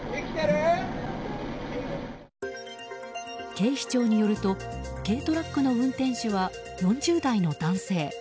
警視庁によると軽トラックの運転手は４０代の男性。